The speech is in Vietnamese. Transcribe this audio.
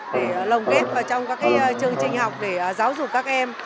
để lồng ghép vào trong các chương trình học để giáo dục các em